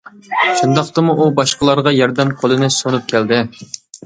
شۇنداقتىمۇ ئۇ باشقىلارغا ياردەم قولىنى سۇنۇپ كەلدى.